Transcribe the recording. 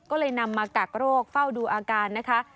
ก็เลยนำมากักโรคเฝ้าดูอาการนะคะ